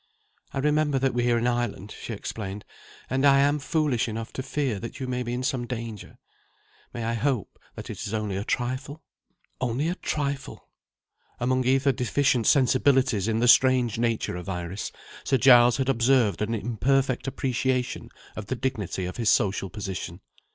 "I remember that we are in Ireland," she explained, "and I am foolish enough to fear that you may be in some danger. May I hope that it is only a trifle?" Only a trifle! Among ether deficient sensibilities in the strange nature of Iris, Sir Giles had observed an imperfect appreciation of the dignity of his social position.